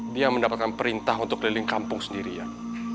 dia mendapatkan perintah untuk keliling kampung sendirian